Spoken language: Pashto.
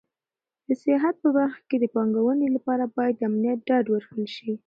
د سیاحت په برخه کې د پانګونې لپاره باید د امنیت ډاډ ورکړل شي.